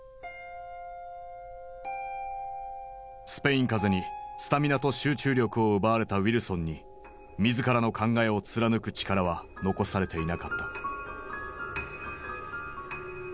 スペイン風邪にスタミナと集中力を奪われたウィルソンに自らの考えを貫く力は残されていなかった。